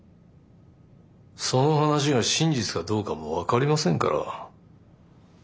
その話が真実かどうかも分かりませんから。